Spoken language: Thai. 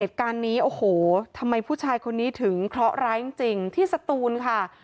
เหตุการณ์นี้โอ้โหทำไมผู้ชายคนนี้ถึงเคราะห์ร้ายจริงที่สตูนค่ะ